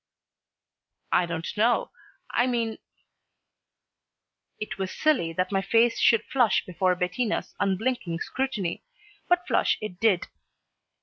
"I don't know. I mean " It was silly that my face should flush before Bettina's unblinking scrutiny, but flush it did.